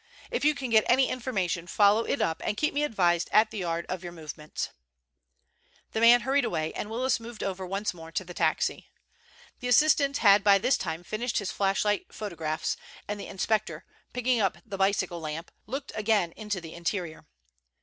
If you can get any information follow it up and keep me advised at the Yard of your movements." The man hurried away and Willis moved over once more to the taxi. The assistant had by this time finished his flashlight photographs, and the inspector, picking up the bicycle lamp, looked again into the interior.